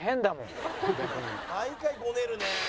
「毎回ごねるね」